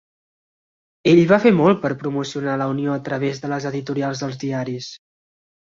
Ell va fer molt per promocionar la unió a través de les editorials dels diaris.